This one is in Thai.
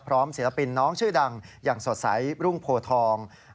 ศิลปินน้องชื่อดังอย่างสดใสรุ่งโพทอง